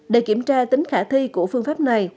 để kiểm tra tính khả thi của phương pháp này